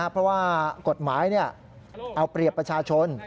เพราะว่ากฎหมายเอาเปรียบประชาชน